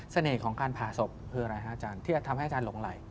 ของการผ่าศพคืออะไรฮะอาจารย์ที่จะทำให้อาจารย์หลงไหล